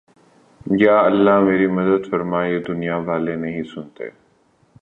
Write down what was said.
یا اللہ میری مدد فرمایہ دنیا والے نہیں سنتے